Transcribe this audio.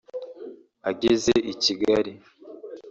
Ageze i Kigali